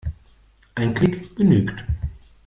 Ein Klick genügt.